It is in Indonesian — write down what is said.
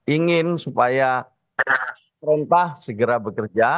ingin supaya pemerintah segera bekerja